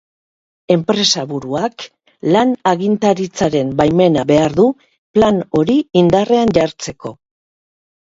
Enpresaburuak lan agintaritzaren baimena behar du plan hori indarrean jartzeko.